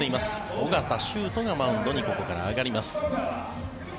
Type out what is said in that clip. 尾形崇斗がマウンドにここから上がります。